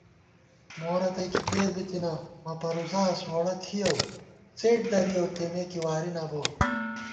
مو رتئ کی تېر بِتَنہ مہ پروزاس ووڑہ تھِیَؤ څېڈ درِیَؤ تېمے کی واری نہ بوت